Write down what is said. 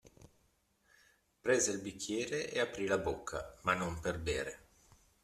Prese il bicchiere e aprì la bocca, ma non per bere.